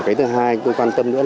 cái thứ hai tôi quan tâm nữa